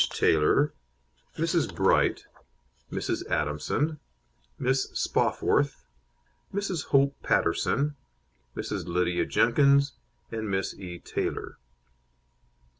Taylor, Mrs. Bright, Mrs. Adamson, Miss Spofforth, Mrs. Hope Paterson, Mrs. Lydia Jenkins, and Miss E. Taylor.